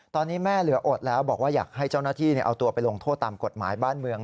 ตอนนี้แม่เหลืออดแล้วบอกว่าอยากให้เจ้าหน้าที่เอาตัวไปลงโทษตามกฎหมายบ้านเมือง